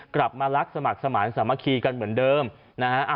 กลับมารักสมัครสมาธิสามัคคีกันเหมือนเดิมนะฮะ